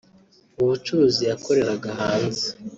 Mu bucuruzi yakoreraga hanze